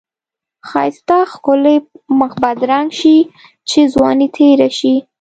ښایسته ښکلی مخ بدرنګ شی چی ځوانی تیره شی.